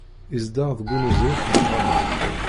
Izdeɣ deg uneẓruf n Faran.